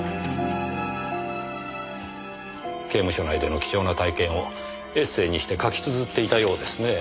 刑務所内での貴重な体験をエッセーにして書き綴っていたようですね。